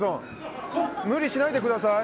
無理しないでください！